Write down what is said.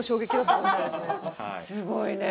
すごいね。